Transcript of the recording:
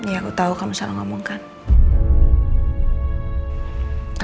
ya aku tau kamu salah ngomongnya